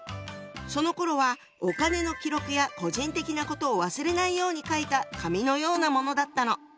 そのころはお金の記録や個人的なことを忘れないように書いた紙のようなものだったの。